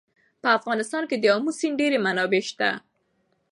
په افغانستان کې د آمو سیند ډېرې منابع شته.